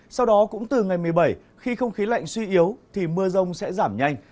sau đó cũng từ ngày một mươi bảy khi không khí lạnh suy yếu thì mưa rông sẽ giảm nhanh